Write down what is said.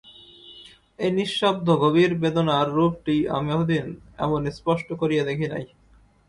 এই নিঃশব্দ গভীর বেদনার রূপটি আমি এতদিন এমন স্পষ্ট করিয়া দেখি নাই!